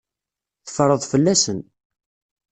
Teffreḍ fell-asen.